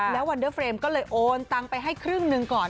แล้ววันเดอร์เฟรมก็เลยโอนตังไปให้ครึ่งหนึ่งก่อน